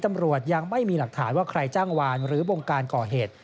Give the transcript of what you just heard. ตำรวจยังไม่มีหลักฐานว่าใครจ้างวานหรือวงการก่อเหตุ